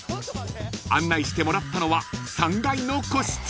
［案内してもらったのは３階の個室］